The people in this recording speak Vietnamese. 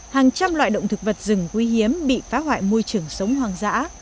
hàng trăm loại động thực vật rừng quý hiếm bị phá hoại môi trường sống hoang dã